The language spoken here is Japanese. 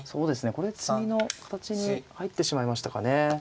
これ詰みの形に入ってしまいましたかね。